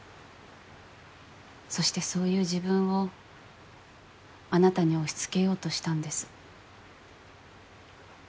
そしてそういう自分をあなたに押しつけようとしたんです。